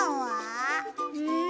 うん？